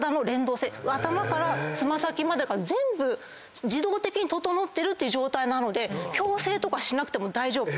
頭から爪先までが全部自動的に整っているっていう状態なので矯正とかしなくても大丈夫。